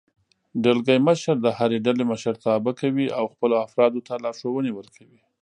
دلګی مشر د هرې ډلې مشرتابه کوي او خپلو افرادو ته لارښوونې ورکوي.